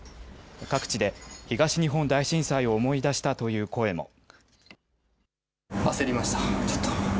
各地で東日本大震災を思い出したという声も。